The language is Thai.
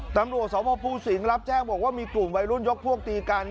ตำรวจสพภูสิงห์รับแจ้งบอกว่ามีกลุ่มวัยรุ่นยกพวกตีกัน